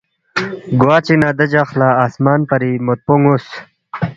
گوا چِک نہ دے جق لہ آسمان پری موتپو نُ٘وس